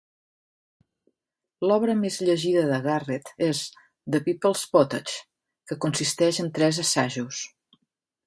L'obra més llegida de Garrett és "The People's Pottage", que consisteix en tres assajos.